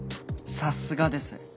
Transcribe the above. さすがです。